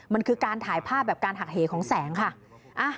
มันคือการถ่ายภาพแบบการหักเหของแสงค่ะ